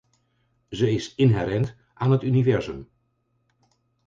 Ze is inherent aan het universum.